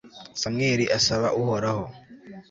samweli asaba uhoraho